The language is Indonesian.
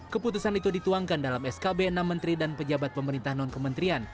keputusan itu dituangkan dalam skb enam menteri dan pejabat pemerintah non kementerian